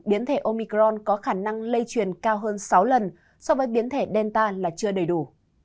biến thể omicron có khả năng lây truyền cao hơn sáu lần so với biến thể delta là chưa đầy đủ